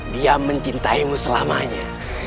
dia mencintaimu selamanya